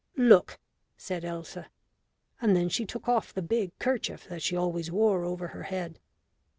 "Look," said Elsa. And then she took off the big kerchief that she always wore over her head.